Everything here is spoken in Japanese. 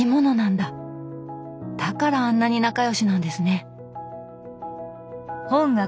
だからあんなに仲良しなんですね。